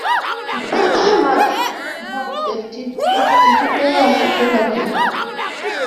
মাঝে মাঝে ভক্তের চিঠিও আসিতে লাগিল।